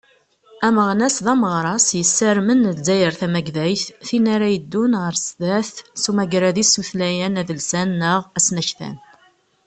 Ameɣnas d ameɣras, yessarmen Lezzayer tamagdayt, tin ara yeddun ɣer sdat s umgarad-is utlayan adelsan neɣ asnaktan.